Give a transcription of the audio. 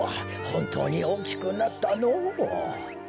ほんとうにおおきくなったのう。